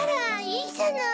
いいじゃない！